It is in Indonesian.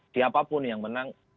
siapapun yang menang